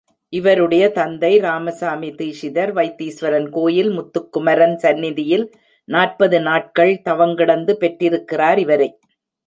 இவருடைய தந்தை ராமசாமி தீக்ஷிதர் வைத்தீசுவரன் கோயில் முத்துக்குமரன் சந்நிதியில் நாற்பது நாட்கள் தவங்கிடந்து பெற்றிருக்கிறார் இவரை.